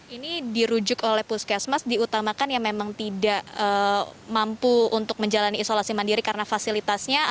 ini dirujuk oleh puskesmas diutamakan yang memang tidak mampu untuk menjalani isolasi mandiri karena fasilitasnya